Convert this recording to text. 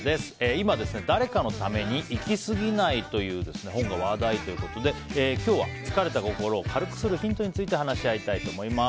今、「“誰かのため”に生きすぎない」という本が話題だということで今日は、疲れた心を軽くするヒントについて話し合いたいと思います。